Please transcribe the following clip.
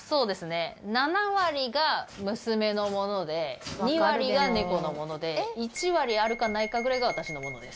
７割が娘のもので２割が猫のもので１割あるかないかぐらいが私のものです。